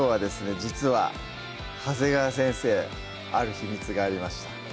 実は長谷川先生ある秘密がありました